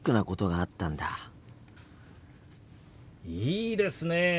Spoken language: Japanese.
いいですねえ。